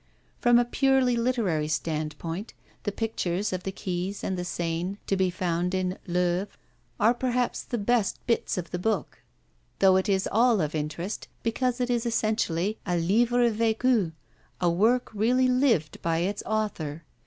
From a purely literary standpoint, the pictures of the quays and the Seine to be found in L'Œuvre are perhaps the best bits of the book, though it is all of interest, because it is essentially a livre vecu, a work really 'lived' by its author.